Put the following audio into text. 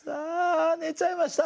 ねちゃいました。